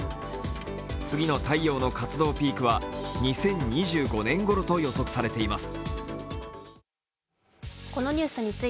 次の太陽の活動ピークは２０２５年ごろと予測されています。